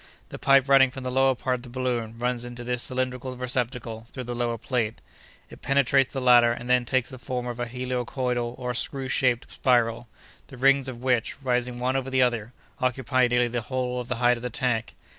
"The pipe running from the lower part of the balloon runs into this cylindrical receptacle through the lower plate; it penetrates the latter and then takes the form of a helicoidal or screw shaped spiral, the rings of which, rising one over the other, occupy nearly the whole of the height of the tank.